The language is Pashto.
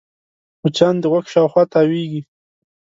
مچان د غوږ شاوخوا تاوېږي